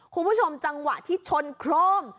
คุณผู้ชมจังหวะที่ชนโครม